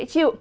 khá dễ chịu